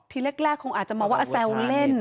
ทีแรกคงอาจจะมองว่าแซวเล่น